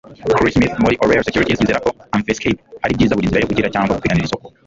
Chris Smith muri Oriel Securities yizera ko Amvescap ari byiza buri nzira yo gukira cyangwa gupiganira isoko.